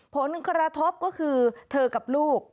ผลกระทบก็คือเธอกับลูก